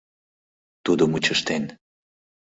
— Тудо мучыштен.